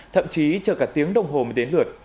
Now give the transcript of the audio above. thậm chí chờ cả tiếng đồng hồ mới đến lượt